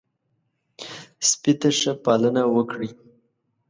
سپي ته ښه پالنه وکړئ.